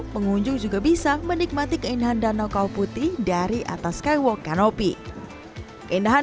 pengunjung juga bisa menikmati keindahan danau kawu putih dari atas skywalk kanopi keindahan